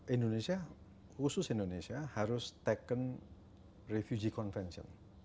indonesia khusus indonesia harus mengambil pengadilan pengantin